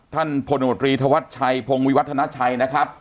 ท่านพลโนตรีธวัชชัยพงวิวัฒนาชัยนะครับ